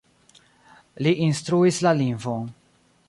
Li instruis la lingvon.